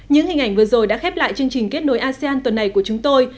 những hình ảnh vừa rồi đã khép lại chương trình kết nối asean tuần này của chúng tôi